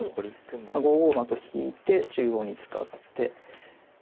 まあ５五馬と引いて中央に使って。